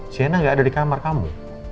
sienna tidak ada di kamar kamu